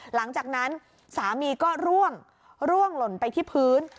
หลังจากนั้นสามีก็ร่วงร่วงหล่นไปที่พื้น